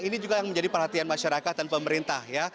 ini juga yang menjadi perhatian masyarakat dan pemerintah ya